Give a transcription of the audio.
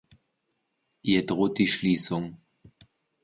Ihr droht die Schließung.